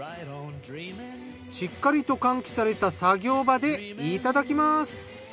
しっかりと換気された作業場でいただきます。